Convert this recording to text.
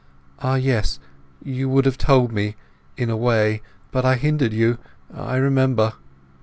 Ah, yes, you would have told me, in a way—but I hindered you, I remember!"